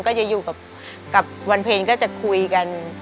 ก็จะอยู่กับวันเพลงก็จะคุยกัน